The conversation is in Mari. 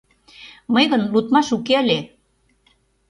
— Мый гын лудмаш уке ыле...